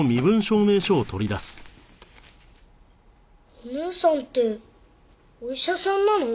お姉さんってお医者さんなの？